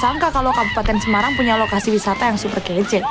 sangka kalau kabupaten semarang punya lokasi wisata yang super gadget